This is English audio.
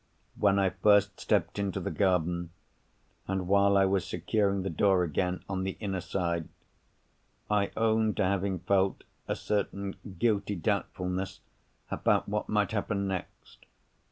When I first stepped into the garden, and while I was securing the door again on the inner side, I own to having felt a certain guilty doubtfulness about what might happen next.